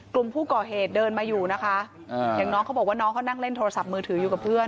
กลุ่มผู้ก่อเหตุเดินมาอยู่นะคะอย่างน้องเขาบอกว่าน้องเขานั่งเล่นโทรศัพท์มือถืออยู่กับเพื่อน